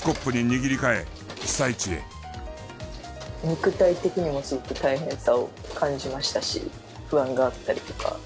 肉体的にもすごく大変さを感じましたし不安があったりとか。